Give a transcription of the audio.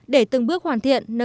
để từng bước hoàn thiện